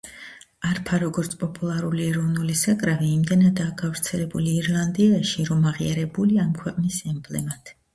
არფა, როგორც პოპულარული ეროვნული საკრავი, იმდენადაა გავრცელებული ირლანდიაში, რომ აღიარებულია ამ ქვეყნის ემბლემად.